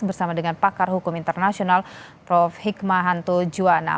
bersama dengan pakar hukum internasional prof hikmahanto juwana